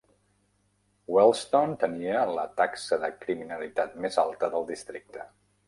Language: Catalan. Wealdstone tenia la taxa de criminalitat més alta del districte.